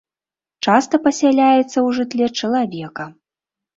Часта пасяляецца ў жытле чалавека.